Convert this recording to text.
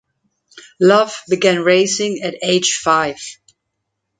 Love began racing at age five.